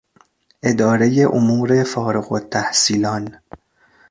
ادارهی امور فارغالتحصیلان